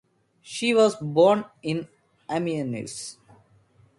She was born in Amiens.